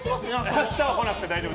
明日は来なくて大丈夫。